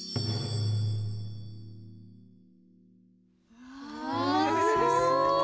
うわすごい。